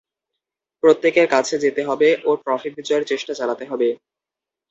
প্রত্যেকের কাছে যেতে হবে ও ট্রফি বিজয়ের চেষ্টা চালাতে হবে।